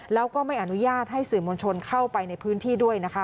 แล้วก็ไม่อนุญาตให้สื่อมวลชนเข้าไปในพื้นที่ด้วยนะคะ